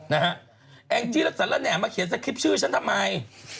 นะฮะแอ้งจี้และสันและแหน่อมาเขียนสคริปชื่อฉันทำไม